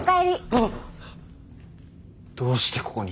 ああっ⁉どうしてここに？